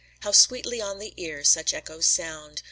How sweetly on the ear such echoes sound!